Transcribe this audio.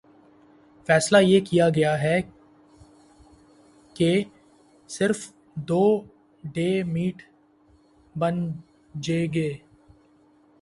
فیصلہ یہ کیا گیا کہہ صرف دو ڈے میٹھ بن ج گے